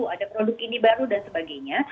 ada produk ini baru dan sebagainya